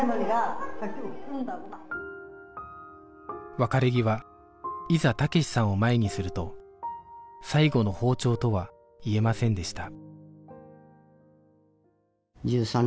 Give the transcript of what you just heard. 別れ際いざ武志さんを前にすると最後の訪朝とは言えませんでした